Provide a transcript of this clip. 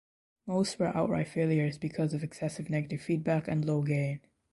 Most were outright failures because of excessive negative feedback and low gain.